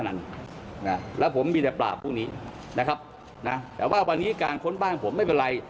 ทั้งที่ผมก็อยู่บ้านนี้มาตลอด